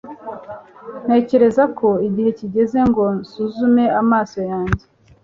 Ntekereza ko igihe kigeze ngo nsuzume amaso yanjye